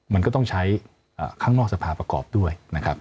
มันก็ต้องใช้ข้างนอกสภาประกอบด้วยนะครับ